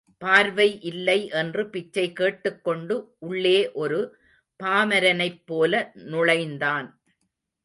பார்வை இல்லை என்று பிச்சைகேட்டுக் கொண்டு உள்ளே ஒரு பாமரனைப்போல நுழைந்தான்.